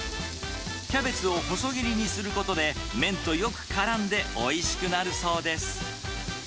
キャベツを細切りにすることで、麺とよくからんでおいしくなるそうです。